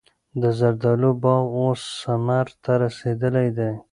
د زردالو باغ اوس ثمر ته رسېدلی دی.